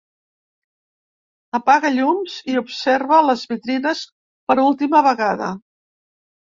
Apaga llums i observa les vitrines per última vegada.